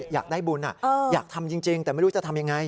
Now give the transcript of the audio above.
อยากได้บุญอยากทำจริงแต่ไม่รู้จะทำยังไง